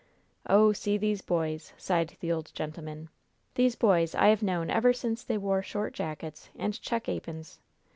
"Oh, see these boys!" sighed the old man; "these boys I have known ever since they wore short jackets and check ap'ons!